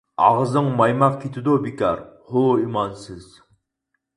-ئاغزىڭ مايماق كېتىدۇ بىكار، ھۇ ئىمانسىز!